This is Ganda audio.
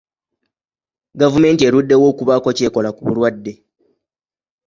Gavumenti eruddewo okubaako ky'ekola ku bulwadde.